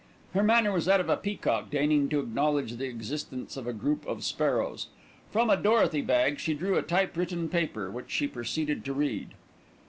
Her manner was that of a peacock deigning to acknowledge the existence of a group of sparrows. From a dorothy bag she drew a typewritten paper, which she proceeded to read.